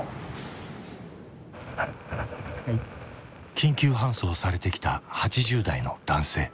緊急搬送されてきた８０代の男性。